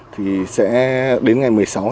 thì sẽ đến ngày một mươi sáu thì sẽ thông quan trở lại